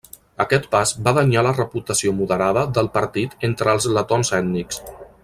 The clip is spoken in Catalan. Aquest pas va danyar la reputació moderada del partit entre els letons ètnics.